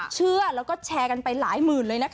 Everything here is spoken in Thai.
เชื่อแล้วก็แชร์กันไปหลายหมื่นเลยนะคะ